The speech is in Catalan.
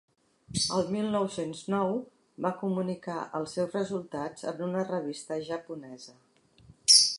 El mil nou-cents nou va comunicar els seus resultats en una revista japonesa.